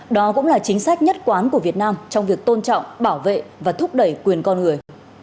đó cũng là chính sách nhất quán của việt nam trong việc tôn trọng bảo vệ và thúc đẩy quyền con người